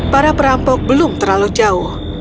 para perampok belum terlalu jauh